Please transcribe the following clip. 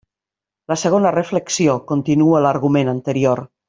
La segona reflexió continua l'argument anterior.